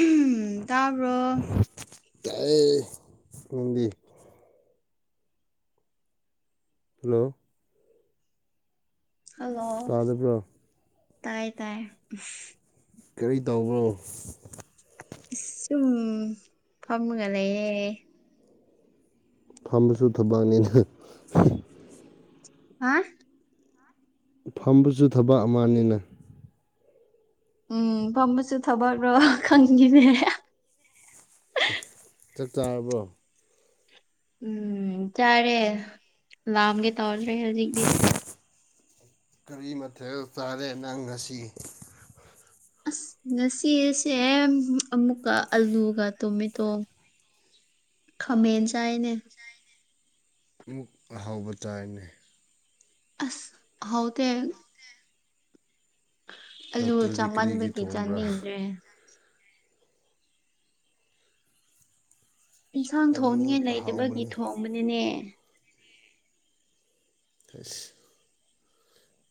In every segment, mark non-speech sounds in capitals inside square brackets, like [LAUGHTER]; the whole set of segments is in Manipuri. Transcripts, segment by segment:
ꯎꯝ ꯇꯥꯕ꯭ꯔꯣ ꯇꯥꯏꯌꯦ ꯅꯪꯗꯤ ꯍꯜꯂꯣ ꯍꯜꯂꯣ ꯇꯥꯗꯕ꯭ꯔꯣ ꯇꯥꯏ ꯇꯥꯏ ꯀꯔꯤ ꯇꯧꯕ꯭ꯔꯣ ꯁꯨꯝ ꯐꯝꯒ ꯂꯩꯌꯦ ꯐꯝꯕꯁꯨ ꯊꯕꯛꯅꯦꯅ ꯍꯥ ꯐꯝꯕꯁꯨ ꯊꯕꯛ ꯑꯃꯅꯤꯅ ꯎꯝ ꯐꯝꯕꯁꯨ ꯊꯕꯛꯔꯣ ꯈꯪꯗꯤꯅꯦ ꯆꯥꯛ ꯆꯥꯔꯕꯣ ꯎꯝ ꯆꯥꯔꯦ ꯂꯥꯝꯒꯦ ꯇꯧꯗ꯭ꯔꯦ ꯍꯧꯖꯤꯛꯇꯤ ꯀꯔꯤ ꯃꯊꯦꯜ ꯆꯥꯔꯦ ꯅꯪ ꯉꯁꯤ ꯑꯁ ꯉꯁꯤꯁꯦ ꯑꯃꯨꯛꯀ ꯑꯂꯨꯒ ꯇꯣꯃꯦꯇꯣ ꯈꯥꯃꯦꯟ ꯆꯥꯏꯅꯦ ꯑꯃꯨꯛ ꯑꯍꯥꯎꯕ ꯆꯥꯢꯌꯦꯅꯦ ꯑꯁ ꯍꯥꯎꯇꯦ ꯑꯂꯨ ꯍꯥꯎꯇ꯭ꯔꯗꯤ ꯀꯔꯤꯒꯤ ꯆꯥꯃꯟꯕꯒꯤ ꯊꯣꯡꯕ꯭ꯔꯥ ꯆꯥꯅꯤꯡꯗ꯭ꯔꯦ ꯢꯟꯁꯥꯡ ꯑꯂꯨ ꯊꯣꯡꯅꯤꯉꯥꯏ ꯂꯩꯇꯕꯒꯤ ꯑꯍꯥꯎꯕꯅꯤ ꯊꯣꯡꯕꯅꯤꯅꯦ ꯑꯁ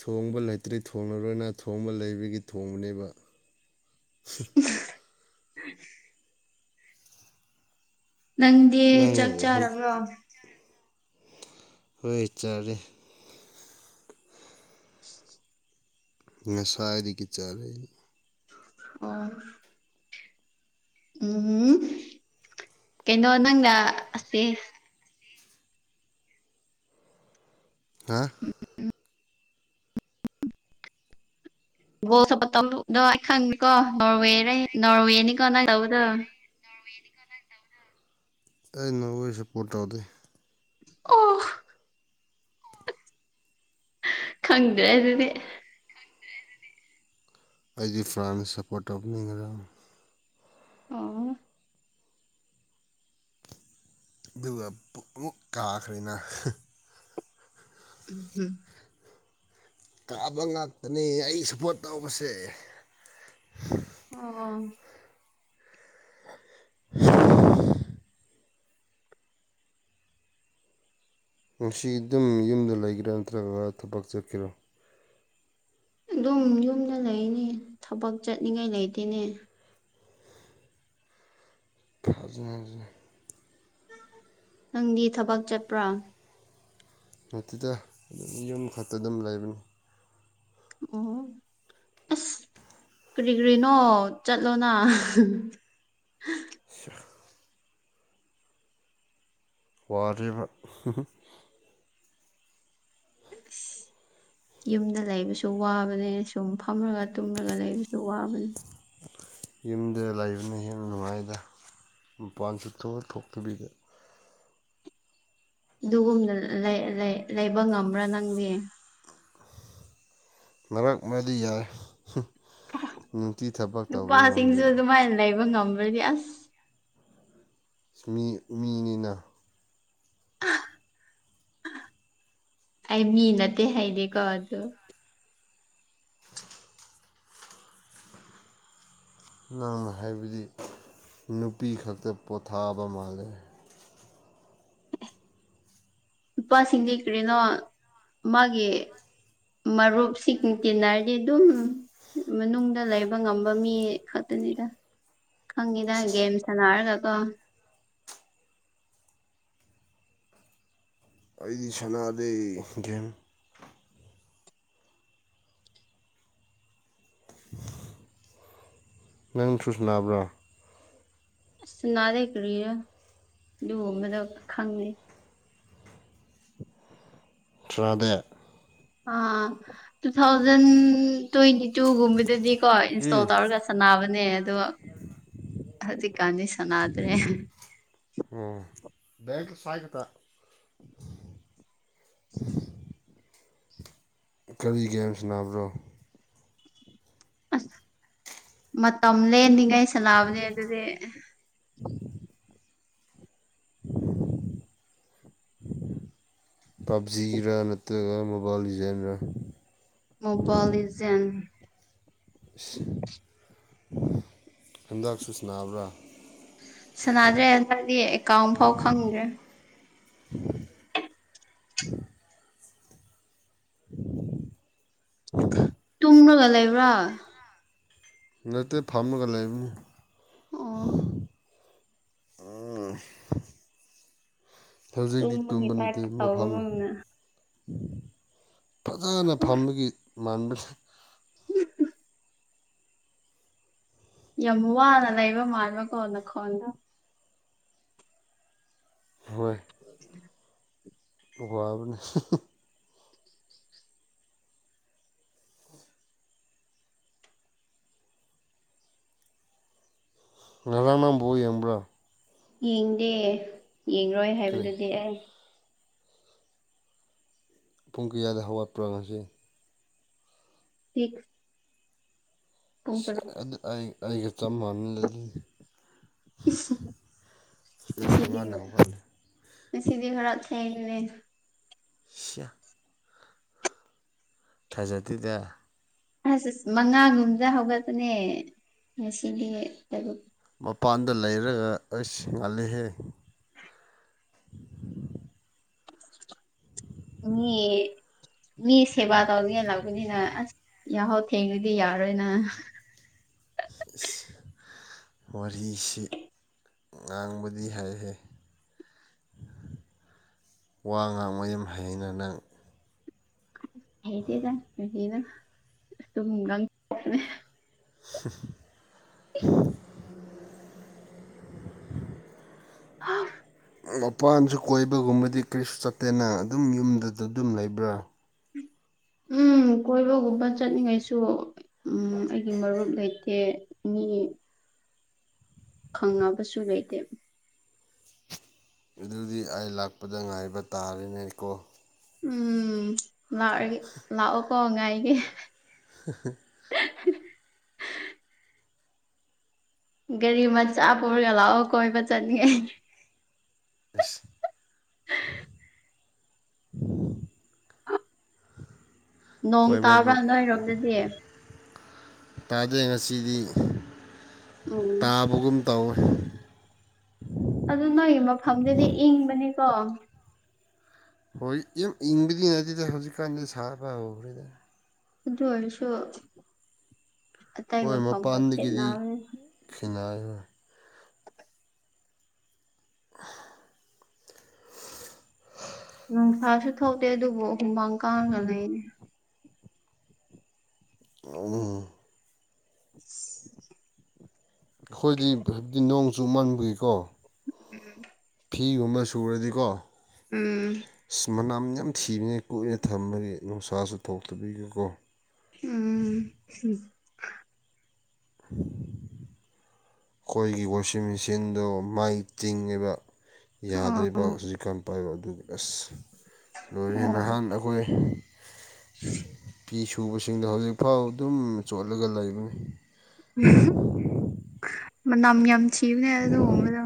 ꯊꯣꯡꯕ ꯂꯩꯇ꯭ꯔꯤ ꯊꯣꯡꯉꯔꯣꯏꯅ ꯊꯣꯡꯕ ꯂꯩꯕꯒꯤ ꯊꯣꯡꯕꯅꯦꯕ [UNINTELLIGIBLE] ꯅꯪꯗꯤ ꯅꯪ ꯆꯥꯛ ꯍꯧꯖꯤ ꯆꯥꯔꯕ꯭ꯔꯣ ꯍꯣꯏ ꯆꯔꯦ ꯉꯁꯥꯢꯗꯥꯒꯤ ꯆꯥꯔꯦ ꯑꯣ ꯎꯝ ꯀꯩꯅꯣ ꯅꯪꯅ ꯑꯁꯦ ꯍꯥ ꯕꯣꯜ ꯁꯞꯄꯔꯣꯠ ꯇꯧꯕꯗꯣ ꯑꯩ ꯈꯪꯅꯤꯀꯣ ꯅꯣꯔꯋꯦ ꯅꯣꯔꯋꯦꯅꯤꯀꯣ ꯅꯪ ꯇꯧꯕꯗꯣ ꯑꯩ ꯁꯞꯄꯣꯔꯠ ꯇꯧꯗꯦ ꯑꯣ ꯈꯪꯗ꯭ꯔꯦ ꯑꯗꯨꯗꯤ ꯑꯩꯗꯤ ꯐ꯭ꯔꯥꯟꯁ ꯁꯞꯄꯣꯔꯠ ꯇꯧꯕꯅꯦ ꯉꯔꯥꯡ ꯑꯣ ꯑꯗꯨꯒ ꯄꯨ ꯑꯃꯨꯛ ꯀꯥꯈ꯭ꯔꯦꯅ ꯎꯝ ꯍꯨꯝ ꯀꯥꯕ ꯉꯥꯛꯇꯅꯤ ꯑꯩ ꯁꯞꯄꯣꯔꯠ ꯇꯧꯕꯁꯦ ꯑꯣ [UNINTELLIGIBLE] ꯉꯥꯁꯤ ꯑꯗꯨꯝ ꯌꯨꯝꯗ ꯂꯩꯒꯦꯔꯥ ꯅꯠꯇ꯭ꯔꯒ ꯊꯕꯛ ꯆꯠꯀꯦꯔꯣ ꯑꯗꯨꯝ ꯌꯨꯝꯗ ꯂꯩꯅꯤ ꯊꯕꯛ ꯆꯠꯅꯤꯡꯉꯥꯏ ꯂꯩꯇꯦꯅꯦ ꯐꯖ ꯐꯖꯅ ꯅꯪꯗꯤ ꯊꯕꯛ ꯆꯠꯄ꯭ꯔꯥ ꯅꯠꯇꯦꯗ ꯌꯨꯝ ꯈꯛꯇ ꯑꯗꯨꯝ ꯂꯩꯕꯅꯤ ꯎꯝ ꯀꯔꯤ ꯀꯔꯤꯅꯣ ꯆꯠꯂꯣꯅ ꯁꯤꯌꯥ ꯋꯥꯔꯤꯕ [UNINTELLIGIBLE] ꯌꯨꯝꯗ ꯂꯩꯕꯁꯨ ꯋꯥꯕꯅꯦ ꯁꯨꯝ ꯐꯝꯂꯒ ꯇꯨꯝꯂꯒ ꯂꯩꯕꯁꯨ ꯋꯥꯕꯅꯦ ꯌꯨꯝꯗꯗ ꯂꯩꯕꯅ ꯍꯦꯟꯅ ꯅꯨꯡꯉꯥꯏꯗ ꯃꯄꯥꯟ ꯁꯨꯇꯣꯛ ꯊꯣꯛꯇꯕꯤꯗ ꯑꯗꯨꯒꯨꯝꯅ ꯂꯩ ꯂꯩꯕ ꯉꯝꯕ꯭ꯔꯥ ꯅꯪꯗꯤ ꯃꯔꯛ ꯃꯗꯤ ꯌꯥꯏ ꯍꯨꯝ ꯅꯨꯡꯇꯤ ꯊꯕꯛ ꯇꯧꯕꯗꯤ ꯉꯝꯗꯦ ꯁꯨꯃꯥꯏ ꯂꯩꯕ ꯉꯝꯃꯗꯤ ꯑꯁ ꯃꯤ ꯃꯤꯅꯤꯅ ꯑꯩ ꯃꯤ ꯅꯠꯇꯦ ꯍꯥꯏꯗꯦꯀꯣ ꯑꯗꯨ [INAUDIBLE] ꯅꯪꯅ ꯍꯥꯏꯕꯗꯤ ꯅꯨꯄꯤ ꯈꯛꯇ ꯄꯣꯊꯥꯕ ꯃꯥꯜꯂꯦ ꯅꯨꯄꯥꯁꯤꯡꯗꯤ ꯀꯔꯤꯅꯣ ꯃꯥꯒꯤ ꯃꯔꯨꯞꯁꯤ ꯇꯤꯟꯅꯔꯗꯤ ꯑꯗꯨꯝ ꯃꯅꯨꯡꯗ ꯂꯩꯕ ꯉꯝꯕ ꯃꯤ ꯈꯛꯇꯅꯤꯗ ꯈꯪꯉꯤꯗ ꯒꯦꯝ ꯁꯥꯟꯅꯔꯒ ꯀꯣ ꯑꯩꯗꯤ ꯁꯥꯅꯗꯤ ꯒꯦꯝ [INAUDIBLE] ꯅꯪ ꯊꯨꯁ ꯅꯥꯕ꯭ꯔꯣ ꯁꯥꯟꯅꯗꯦ ꯀ꯭ꯔꯤꯔꯥ ꯑꯗꯨꯒꯨꯝꯕꯗꯣ ꯈꯪꯗꯦ ꯇ꯭ꯔꯥꯗ ꯑꯥ ꯇꯨ ꯊꯥꯎꯖꯟ ꯇ꯭ꯋꯦꯟꯇꯤ ꯇꯨꯒꯨꯝꯕꯗꯗꯤꯀꯣ ꯏꯟꯁꯇꯣꯜ ꯎꯝ ꯇꯧꯔꯒ ꯁꯥꯟꯅꯕꯅꯦ ꯑꯗꯣ ꯍꯧꯖꯤꯛꯀꯥꯟꯗꯤ ꯁꯥꯟꯅꯗ꯭ꯔꯦ ꯑꯣ [INAUDIBLE] ꯀꯔꯤ ꯒꯦꯝꯁ ꯁꯥꯟꯅꯕ꯭ꯔꯣ ꯑꯁ ꯃꯇꯝ ꯂꯦꯟꯂꯤꯉꯩ ꯁꯥꯟꯅꯕꯅꯦ ꯑꯗꯨꯗꯤ [INAUDIBLE] [UNINTELLIGIBLE] ꯄꯥꯕꯖꯤꯔ ꯅꯠꯇ꯭ꯔꯒ ꯃꯣꯕꯥꯏꯜ ꯂꯤꯖꯦꯜꯔ ꯃꯣꯕꯥꯏꯜ ꯂꯤꯖꯦꯟ ꯍꯟꯗꯛꯁꯨ ꯁꯥꯟꯅꯕ꯭ꯔꯥ ꯁꯥꯟꯅꯗ꯭ꯔꯦ ꯍꯟꯗꯛꯗꯤ ꯑꯦꯀꯥꯎꯟ ꯐꯥꯎ ꯈꯪꯗ꯭ꯔꯦ ꯇꯨꯡꯂꯒ ꯂꯩꯕ꯭ꯔꯥ ꯅꯠꯇꯦ ꯐꯝꯃꯒ ꯂꯩꯕꯅꯤ ꯑꯣ ꯎꯝ ꯍꯧꯖꯤꯛꯇꯤ ꯇꯨꯝꯕꯒꯤ ꯇꯨꯝꯕ ꯇꯥꯏꯞ ꯅꯠꯇꯦ ꯃꯐꯝꯂꯦ ꯇꯧꯕꯒꯨꯝꯅ ꯐꯖꯅ ꯐꯝꯕꯒꯤ ꯃꯥꯟꯕꯅꯦ [UNINTELLIGIBLE] ꯌꯥꯝ ꯋꯥꯅ ꯂꯩꯕ ꯃꯥꯟꯕꯀꯣ ꯅꯈꯣꯟꯗꯣ ꯍꯣꯏ [UNINTELLIGIBLE] [UNINTELLIGIBLE] ꯉꯔꯥꯡ ꯅꯪ ꯕꯣꯜ ꯌꯦꯡꯕ꯭ꯔꯥ ꯌꯦꯡꯗꯦ ꯌꯦꯡꯔꯣꯏ ꯀꯔꯤ ꯍꯥꯏꯕꯗꯨꯗꯤ ꯑꯩ ꯄꯨꯡ ꯀꯌꯥꯗ ꯍꯧꯈꯠꯄ꯭ꯔꯥ ꯉꯁꯤ ꯁꯤꯛꯁ ꯄꯨꯡ ꯁꯦ ꯇꯔꯨꯛ ꯑꯗꯨ ꯑꯩ ꯑꯩꯒ ꯆꯞ ꯃꯥꯟꯅꯦ ꯑꯗꯨꯗꯤ [UNINTELLIGIBLE] ꯉꯁꯤꯗꯤ ꯉꯟꯅ ꯍꯧꯒꯠꯂꯦ ꯉꯁꯤꯗꯤ ꯈꯔ ꯊꯦꯡꯉꯦꯅꯦ ꯁꯤꯌꯥ ꯊꯥꯖꯗꯦꯗ ꯑꯁ ꯑꯁ ꯃꯉꯥꯒꯨꯝꯕꯗ ꯍꯧꯒꯠꯄꯅꯦ ꯉꯁꯤꯗꯤ ꯇꯔꯨꯛ ꯃꯄꯥꯟꯗ ꯂꯩꯔꯒ ꯑꯩꯁ ꯉꯜꯂꯤꯍꯦ ꯃꯤ ꯃꯤ ꯁꯦꯕꯥ ꯇꯧꯅꯤꯡꯉꯥꯏ ‌ꯂꯥꯛꯄꯅꯤꯅ ꯑꯁ ꯌꯥꯍꯧ ꯊꯦꯡꯔꯗꯤ ꯌꯥꯔꯣꯏꯅ ꯏꯁ ꯋꯥꯔꯤꯁꯤ ꯉꯥꯡꯕꯗꯤ ꯍꯩꯍꯦ ꯋꯥ ꯉꯥꯡꯕ ꯌꯥꯝ ꯍꯩꯅ ꯅꯪ ꯍꯩꯇꯦꯗ ꯀꯔꯤꯅꯣ [UNINTELLIGIBLE] [UNINTELLIGIBLE] ꯏꯁ [UNINTELLIGIBLE] ꯃꯄꯥꯟꯁꯨ ꯀꯣꯏꯕꯒꯨꯝꯕꯗꯤ ꯀꯔꯤꯁꯨ ꯆꯠꯇꯦꯅ ꯑꯗꯨꯝ ꯌꯨꯝꯗꯗ ꯑꯗꯨꯝ ꯂꯩꯕ꯭ꯔꯥ ꯎꯝ ꯀꯣꯏꯕꯒꯨꯝꯕ ꯆꯠꯅꯤꯡꯉꯥꯏꯁꯨ ꯑꯩꯒꯤ ꯃꯔꯨꯞ ꯂꯩꯇꯦ ꯃꯤ ꯈꯪꯉꯕꯁꯨ ꯂꯩꯇꯦ ꯑꯗꯨꯗꯤ ꯑꯩ ꯂꯥꯛꯄꯗ ꯉꯥꯏꯕ ꯇꯥꯔꯦꯅꯦꯀꯣ ꯎꯝ ꯂꯥꯛꯔꯒꯦ ꯂꯥꯛꯑꯣꯀꯣ ꯉꯥꯏꯒꯦ [UNINTELLIGIBLE] ꯒꯥꯔꯤ ꯃꯆꯥ ꯄꯨꯔꯒ ꯂꯥꯛꯑꯣ ꯀꯣꯏꯕ ꯆꯠꯅꯤꯉꯥꯏꯒꯤ ꯏꯁ [UNINTELLIGIBLE] ꯅꯣꯡ ꯇꯥꯕ꯭ꯔꯥ ꯀꯣꯏꯕꯕꯨ ꯅꯣꯏꯔꯣꯝꯗꯗꯤ ꯇꯥꯗꯦ ꯉꯁꯤꯗꯤ ꯎꯝ ꯇꯥꯕꯒꯨꯝ ꯇꯧꯋꯦ ꯑꯗꯨ ꯅꯣꯏꯒꯤ ꯃꯐꯝꯗꯨꯗꯤ ꯏꯪꯕꯅꯤꯀꯣ ꯍꯣꯏ ꯏꯪ ꯏꯪꯕꯗꯤ ꯅꯠꯇꯦꯗ ꯍꯧꯖꯤꯛꯀꯥꯟꯗꯤ ꯁꯥꯕ ꯍꯧꯈ꯭ꯔꯦꯗ ꯑꯗꯨ ꯑꯣꯏꯔꯁꯨ ꯑꯇꯩ ꯃꯐꯝꯒ ꯈꯦꯠꯅꯕꯅꯤ ꯈꯦꯠꯅꯔꯔꯣꯏ ꯅꯨꯡꯁꯥꯁꯨ ꯊꯣꯛꯇꯦ ꯑꯗꯨꯕꯨ ꯍꯨꯃꯥꯡ ꯀꯥꯡꯒ ꯂꯩꯔꯤ [UNINTELLIGIBLE] [INAUDIBLE] ꯑꯈꯣꯏꯗꯤ ꯐ ꯅꯣꯡ ꯆꯨꯃꯟꯕꯒꯤꯀꯣ ꯎꯝ ꯐꯤꯒꯨꯝꯕ ꯁꯨꯔꯗꯤꯀꯣ ꯎꯝ ꯑꯁ ꯃꯅꯝ ꯌꯥꯝ ꯊꯤꯕꯅꯦ ꯀꯨꯏꯅ ꯊꯝꯃꯗꯤ ꯅꯨꯡꯁꯥꯁꯨ ꯊꯣꯛꯇꯕꯤꯒꯤꯀꯣ ꯎꯝ [INAUDIBLE] ꯈꯣꯏꯒꯤ ꯋꯥꯁꯤꯡ ꯃꯦꯆꯤꯟꯗꯣ ꯃꯥꯏ ꯆꯤꯡꯉꯤꯕ ꯑꯣ ꯌꯥꯗ꯭ꯔꯤꯕ ꯍꯧꯖꯤꯛ ꯀꯟ ꯄꯥꯏꯕ ꯑꯗꯨꯒꯤ ꯑꯁ ꯂꯣꯏꯔꯦ ꯑꯣ ꯅꯍꯥꯟ ꯑꯈꯣꯏ ꯐꯤ ꯁꯨꯕꯁꯤꯡꯗꯣ ꯍꯧꯖꯤꯛꯐꯥꯎ ꯑꯗꯨꯝ ꯆꯣꯠꯂꯒ ꯂꯩꯕꯅꯤ ꯃꯅꯝ ꯌꯥꯝ ꯊꯤꯕꯅꯦ ꯑꯗꯨꯒꯨꯝꯕꯗꯣ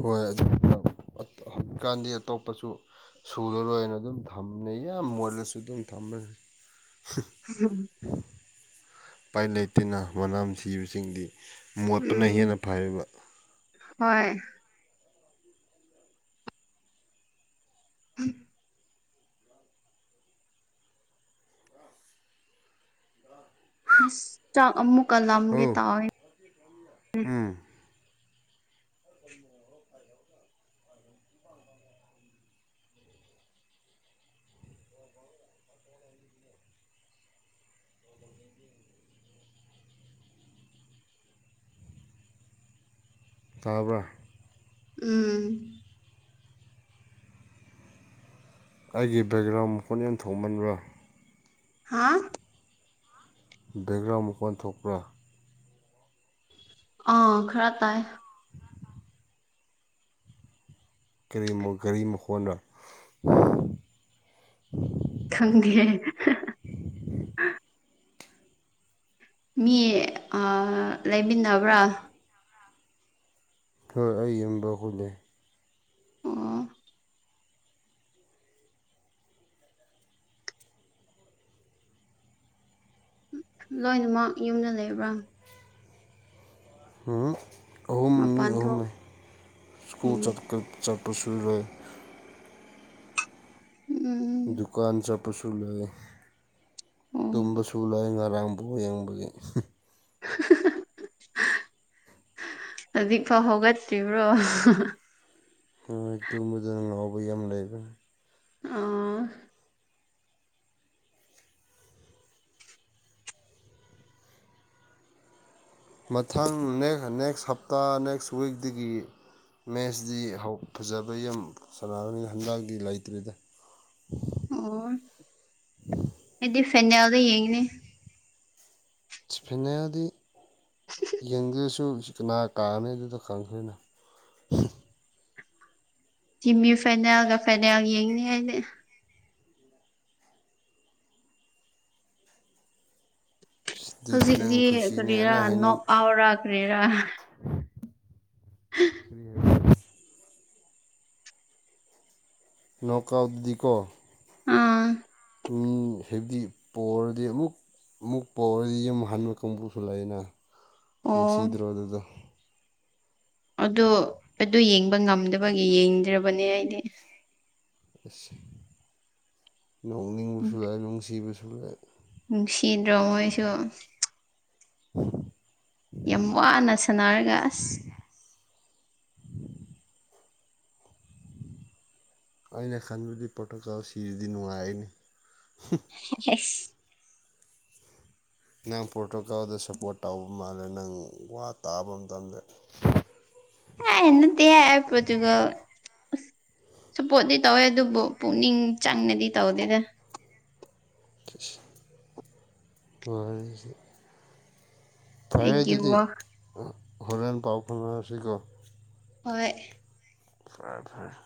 ꯍꯣꯏ ꯑꯗꯨ ꯍꯧꯀꯥꯟꯗꯤ ꯑꯇꯣꯞꯄꯁꯨ ꯁꯨꯔꯔꯣꯏꯅ ꯑꯗꯨꯝ ꯊꯝꯅꯦ ꯌꯥꯝ ꯃꯣꯠꯂꯁꯨ ꯑꯗꯨꯝ ꯊꯝꯃꯅꯤ [INAUDIBLE] ꯄꯥꯏ ꯂꯩꯇꯦꯅ ꯃꯅꯝ ꯊꯤꯕꯁꯤꯡꯗꯤ ꯃꯣꯠꯄꯅ ꯎꯝ ꯍꯦꯟꯅ ꯐꯔꯤꯕ ꯍꯣꯏ [UNINTELLIGIBLE] ꯑꯁ ꯆꯥꯛ ꯑꯃꯨꯛꯀ ꯍꯣ ꯂꯝꯒꯦ ꯇꯥꯎꯋꯦ ꯎꯝ ꯇꯥꯕ꯭ꯔꯥ ꯎꯝ ꯑꯩꯒꯤ ꯕꯦꯛꯒ꯭ꯔꯥꯎꯟ ꯃꯈꯣꯟ ꯌꯥꯝ ꯊꯣꯡꯃꯟꯕ꯭ꯔꯥ ꯍꯥꯥ ꯕꯦꯛꯒ꯭ꯔꯥꯎ ꯃꯈꯣꯟ ꯊꯣꯛꯄ꯭ꯔꯥ ꯑꯥ ꯈꯔ ꯇꯥꯏ ꯀꯔꯤ ꯃ ꯀꯔꯤ ꯃꯈꯣꯟꯔ ꯈꯪꯗꯤꯌꯦ ꯃꯤ ꯑꯥ ꯂꯩꯃꯤꯟꯅꯕ꯭ꯔꯥ ꯍꯣꯏ ꯑꯩ ꯌꯨꯝ ꯕꯍꯨꯠꯅꯦ ꯑꯣ ꯂꯣꯏꯅꯃꯛ ꯌꯨꯝꯗ ꯂꯩꯕ꯭ꯔꯥ ꯍꯨꯝ ꯑꯍꯨꯝ ꯃꯤ ꯃꯄꯥꯟ ꯊꯣꯛ ꯑꯣꯍꯨꯝꯅꯦ ꯁ꯭ꯀꯨꯜ ꯎꯝ ꯆꯠꯀ ꯆꯠꯄꯁꯨ ꯔꯩ ꯎꯝ ꯗꯨꯀꯥꯟ ꯆꯠꯄꯁꯨ ꯂꯩ ꯑꯣ ꯇꯨꯝꯕꯁꯨ ꯂꯩ ꯉꯔꯥꯡ ꯐꯨꯕꯣ ꯌꯦꯡꯕꯒꯤ ꯍꯧꯖꯤꯛ ꯐꯥꯎ ꯍꯧꯒꯠꯇ꯭ꯔꯤꯕ꯭ꯔꯣ ꯍꯣꯏ ꯇꯨꯝꯕꯗ ꯂꯥꯎꯕ ꯌꯥꯝ ꯂꯩꯕꯅꯦ ꯑꯥ ꯃꯊꯪꯦꯛ ꯅꯦ ꯅꯦꯛꯁ ꯍꯞꯇꯥ ꯅꯦꯛꯁ ꯋꯤꯛꯗꯒꯤ ꯃꯦꯠꯁꯇꯤ ꯍꯧ ꯐꯖꯕ ꯌꯥꯝ ꯁꯥꯟꯅꯒꯅꯤ ꯍꯟꯗꯛꯇꯤ ꯂꯩꯇ꯭ꯔꯤꯗ ꯑꯣꯏ ꯑꯩꯗꯤ ꯐꯦꯅꯦꯜꯗ ꯌꯦꯡꯉꯤꯅꯦ ꯐꯥꯅꯦꯜꯗꯤ ꯌꯦꯡꯗ꯭ꯔꯁꯨ ꯀꯅꯥ ꯀꯥꯅꯤ ꯑꯗꯨꯗ ꯈꯪꯈ꯭ꯔꯦꯅ ꯇꯤꯝꯃꯤ ꯐꯥꯏꯅꯅꯦꯜꯒ ꯐꯥꯏꯅꯥꯜ ꯌꯦꯡꯅꯤ ꯑꯩꯗꯤ ꯑꯗꯨꯗꯤ ꯍꯧꯖꯤꯛꯇꯤ ꯅꯪ ꯈꯨꯁꯤꯅꯦ ꯀꯔꯤꯔꯥ ꯑꯩꯅ ꯍꯥꯏꯅꯤꯡ ꯅꯣꯛ ꯑꯥꯎꯔ ꯀꯔꯤꯔꯥ ꯀꯔꯤ ꯅꯣ ꯀꯣꯜ ꯑꯗꯨꯗꯤꯀꯣ ꯑꯥ ꯃꯤ ꯍꯥꯏꯕꯗꯤ ꯄꯣꯔꯗꯤ ꯑꯃꯨꯛ ꯑꯃꯨꯛ ꯄꯣꯔꯗꯤ ꯌꯨꯝ ꯍꯟꯕ ꯀꯥꯡꯕꯨꯁꯨ ꯂꯩꯌꯦꯅꯥ ꯑꯣ ꯅꯨꯡꯁꯤꯗ꯭ꯔꯣ ꯑꯗꯨꯗꯣ ꯑꯗꯣ ꯑꯗꯨ ꯌꯦꯡꯕ ꯉꯝꯗꯕꯒꯤ ꯌꯦꯡꯗ꯭ꯔꯕꯅꯦ ꯑꯩꯗꯤ ꯑꯁ ꯎꯝ ꯅꯣꯛꯅꯤꯡꯕꯁꯨ ꯂꯩ ꯅꯨꯡꯁꯤꯕꯁꯨ ꯂꯩ ꯅꯨꯡꯁꯤꯗ꯭ꯔꯣ ꯃꯣꯏꯁꯨ ꯌꯥꯝ ꯋꯥꯅ ꯁꯥꯟꯅꯔꯒ ꯑꯁ ꯑꯩꯅ ꯈꯥꯟꯕꯗꯤ ꯄꯣꯇꯨꯀꯜ ꯁꯤꯔꯤꯗꯤ ꯅꯨꯡꯉꯏꯔꯅꯤ [UNINTELLIGIBLE] ꯅꯪ ꯄꯣꯔꯇꯣꯀꯥꯜꯗ ꯁꯞꯄꯣꯔꯠ ꯇꯧꯕ ꯃꯥꯜꯂꯦ ꯅꯪ ꯋꯥ ꯇꯥꯕ ꯃꯇꯝꯗ ꯍꯦ ꯅꯠꯇꯦꯍꯦ ꯑꯩ ꯄꯣꯔꯇꯣꯀꯥꯜ ꯁꯨꯄꯣꯠꯇꯗꯤ ꯇꯧꯋꯦ ꯑꯗꯨꯕꯨ ꯄꯨꯛꯅꯤꯡ ꯆꯪꯅꯗꯤ ꯇꯧꯗꯦꯗ ꯋꯥꯔꯤꯁꯦ ꯑꯩꯒꯤ ꯐꯔꯦꯗꯨꯗꯤ ꯋꯥ ꯍꯣꯔꯦꯟ ꯄꯥꯎ ꯐꯪꯅꯔꯁꯤꯀꯣ ꯍꯣꯏ ꯐꯔꯦ ꯐꯔꯦ